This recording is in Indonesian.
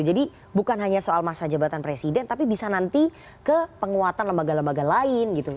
jadi bukan hanya soal masa jabatan presiden tapi bisa nanti ke penguatan lembaga lembaga lain gitu